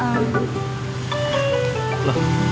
aku mau ke tempat futsal